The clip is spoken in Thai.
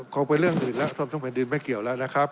เข้าไปเรื่องอื่นแล้วส้มทั้งแผ่นดินไม่เกี่ยวแล้วนะครับ